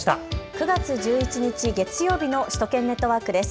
９月１１日月曜日の首都圏ネットワークです。